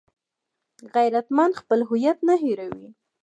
غیرتمند خپل هویت نه هېروي